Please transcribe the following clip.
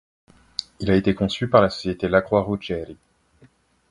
Il a été conçu par la Société Lacroix-Ruggieri.